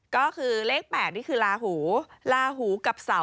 คู่สุดท้ายนะคะ๗๘๘๗ค่ะ